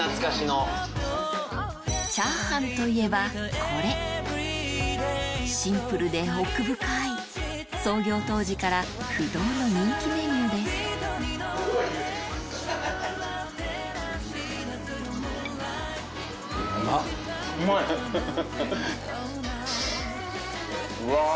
チャーハンといえばこれシンプルで奥深い創業当時から不動の人気メニューですうわ！